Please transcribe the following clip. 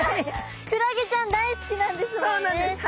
クラゲちゃん大好きなんですもんね。